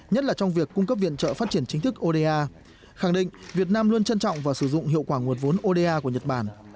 nhất là trong việc cung cấp viện trợ phát triển chính thức oda khẳng định việt nam luôn trân trọng và sử dụng hiệu quả nguồn vốn oda của nhật bản